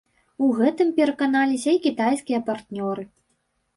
У гэтым пераканаліся і кітайскія партнёры.